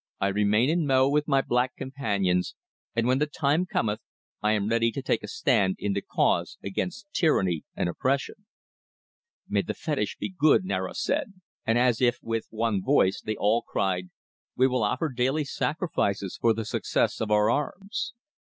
"I remain in Mo with my black companions, and when the time cometh I am ready to take a stand in the cause against tyranny and oppression." "May the fetish be good," Niaro said, and as if with one voice they all cried, "We will offer daily sacrifices for the success of our arms."